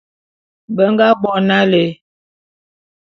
Be nga bo nalé.